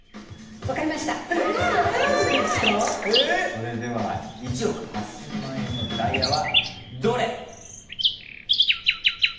それでは１億８，０００万円のダイヤはどれ？